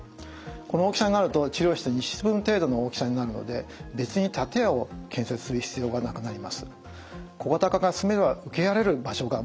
この大きさになると治療室２室分程度の大きさになるので別に建屋を建設する必要がなくなります。